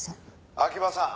「秋葉さん